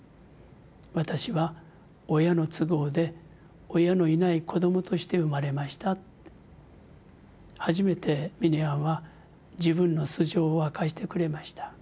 私は親の都合で親のいない子どもとして生まれました」って初めてミネヤンは自分の素性を明かしてくれました。